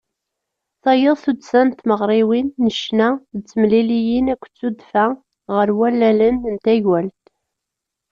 Tayeḍ, tuddsa n tmeɣriwin n ccna d temliliyin akked tudfa ɣer wallalen n taywalt.